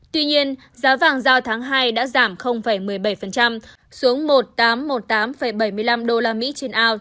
tuy nhiên giá vàng giao tháng hai đã giảm một mươi bảy xuống một nghìn tám trăm một mươi tám bảy mươi năm usd trên ao